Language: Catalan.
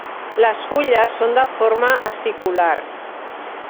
Les fulles són de forma acicular.